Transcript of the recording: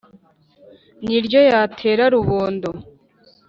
ni ryo yatera rubondo